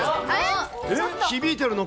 響いてるのか？